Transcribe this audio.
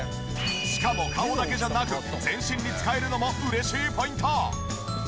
しかも顔だけじゃなく全身に使えるのも嬉しいポイント。